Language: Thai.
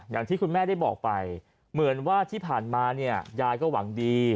อย่างที่คุณแม่ได้บอกไปเหมือนว่าที่ผ่านมาเนี่ยยายก็หวังดี